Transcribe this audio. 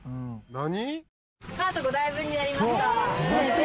何？